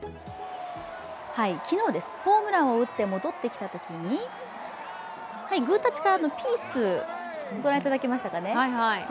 昨日です、ホームランを打って戻ってきたときにグータッチからのピース、ご覧いただけましたか？